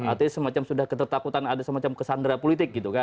artinya semacam sudah ketertakutan ada semacam kesandera politik gitu kan